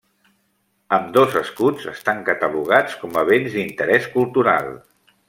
Ambdós escuts estan catalogats com a Béns d'Interés Cultural.